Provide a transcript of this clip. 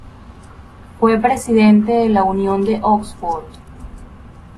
Fue presidente de la Unión de Oxford.